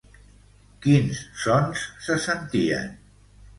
Quins sons se sentien?